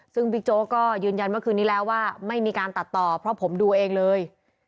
ซึ่งบิ๊กโจ๊กก็ยืนยันเมื่อคืนนี้แล้วว่าไม่มีการตัดต่อเพราะผมดูเองเลย